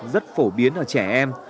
rất phổ biến ở trẻ em